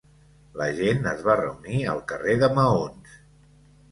La gent es va reunir al carrer de maons.